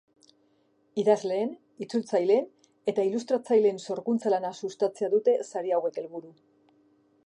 Idazleen, itzultzaileen eta ilustratzaileen sorkuntza lana sustatzea dute sari hauek helburu.